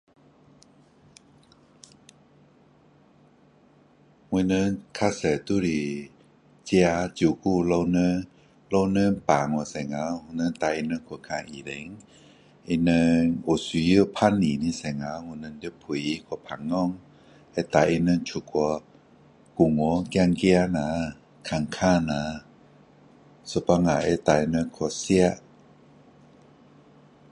我们比较多都是自己照顾老人老人病的时候我们带他去看医生他们有陪伴的时候我们会陪他谈天会带他出去公园走走下看看下有时会带他们去吃